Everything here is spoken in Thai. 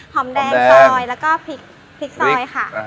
หอมแดงซอยแล้วก็พริกซอยค่ะ